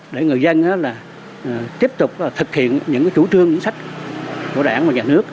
để người dân tiếp tục thực hiện những chủ trương chính sách của đảng và nhà nước